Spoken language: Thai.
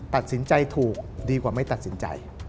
ตัดสินใจถูกดีกว่าไม่ตัดสินใจ